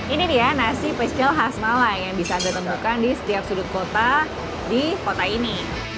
ini dia nasi pecel khas malang yang bisa anda temukan di setiap sudut kota di kota ini